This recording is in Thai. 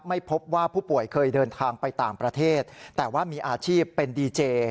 ไม่พบว่าผู้ป่วยเคยเดินทางไปต่างประเทศแต่ว่ามีอาชีพเป็นดีเจ